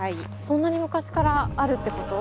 そんなに昔からあるってこと？